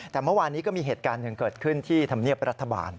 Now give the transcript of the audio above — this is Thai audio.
แต่เมื่อวานนี้ก็มีเหตุการณ์หนึ่งเกิดขึ้นที่ธรรมเนียบรัฐบาล